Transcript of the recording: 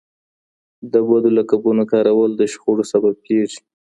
د بدو لقبونو کارول د شخړو سبب کېږي.